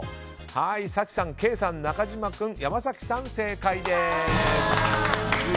早紀さん、ケイさん、中島君山崎さん、正解です。